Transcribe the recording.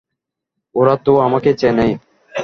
ওরা তো আমাকে চেনেই।